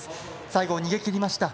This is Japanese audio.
最後、逃げ切りました。